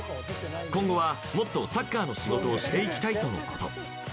今後はもっとサッカーの仕事をしていきたいとのこと。